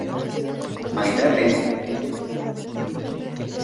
My Darling!